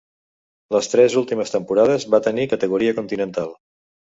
Les tres últimes temporades va tenir categoria continental.